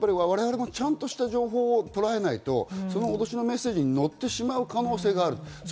私たちもちゃんとした情報をとらえないと脅しのメッセージに乗ってしまう可能性がある。